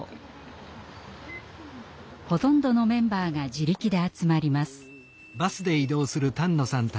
ほとんどのメンバーが自力で集まります。